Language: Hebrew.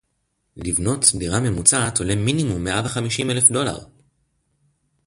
לבנות דירה ממוצעת עולה מינימום מאה וחמישים אלף דולר